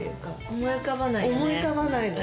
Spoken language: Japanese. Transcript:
思い浮かばないの。